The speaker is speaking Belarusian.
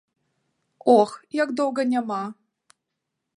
Ох, як доўга няма.